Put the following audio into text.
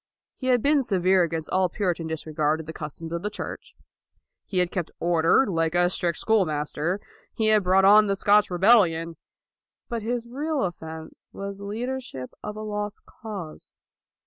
He had been severe against all Puritan disregard of the customs of the Church. He had kept order, like a strict school master. He had brought on the Scotch rebellion. But his real offense was leader ship of a lost cause.